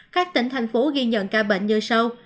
các tỉnh thành phố ghi nhận ca bệnh như sau